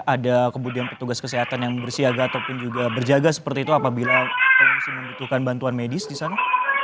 ada kemudian petugas kesehatan yang bersiaga ataupun juga berjaga seperti itu apabila pengungsi membutuhkan bantuan medis di sana